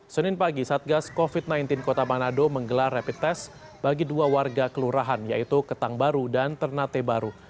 senin pagi satgas covid sembilan belas kota manado menggelar rapid test bagi dua warga kelurahan yaitu ketang baru dan ternate baru